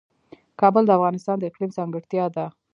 کابل د افغانستان د اقلیم ځانګړتیا ده.